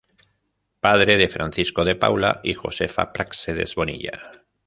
Padre de Francisco de Paula y Josefa Práxedes Bonilla.